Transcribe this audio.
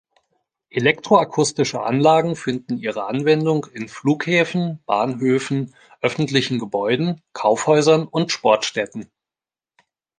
Elektroakustische Anlagen finden ihre Anwendung in Flughäfen, Bahnhöfen, öffentlichen Gebäuden, Kaufhäusern und Sportstätten.